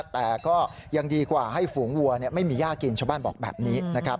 แต่ก็ยังดีกว่าให้ฝูงวัวไม่มีย่ากินชาวบ้านบอกแบบนี้นะครับ